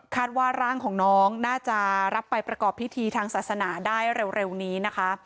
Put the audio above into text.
ว่าร่างของน้องน่าจะรับไปประกอบพิธีทางศาสนาได้เร็วนี้นะคะ